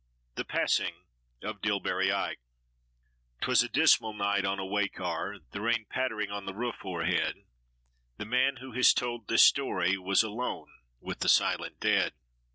THE PASSING OF DILLBERY IKE. 'Twas a dismal night on a way car, the rain pattering on the roof o'erhead, The man who has told this story was alone with the silent dead.